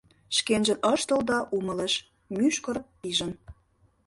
Шкенжын ыш тол да умылыш: мӱшкыр пижын.